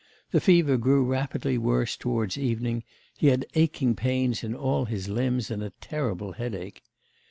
The fever grew rapidly worse towards evening; he had aching pains in all his limbs, and a terrible headache.